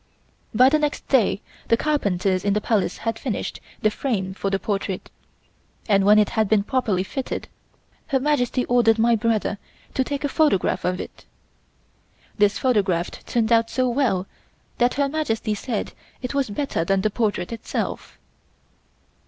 By the next day the carpenters in the Palace had finished the frame for the portrait and when it had been properly fitted Her Majesty ordered my brother to take a photograph of it. This photograph turned out so well that Her Majesty said it was better than the portrait itself.